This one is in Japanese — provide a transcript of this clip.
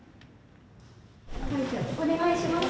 お願いします。